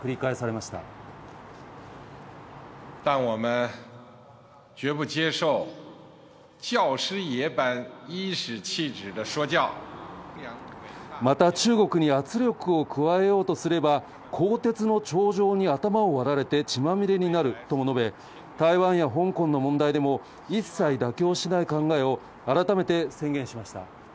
また、中国に圧力を加えようとすれば、鋼鉄の長城に頭を割られて血まみれになるとも述べ、台湾や香港の問題でも、一切妥協しない考えを改めて宣言しました。